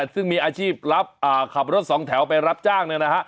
ซึ่งมีอาชีพรับขับรถสองแถวไปรับจ้างหนึ่งนะฮะ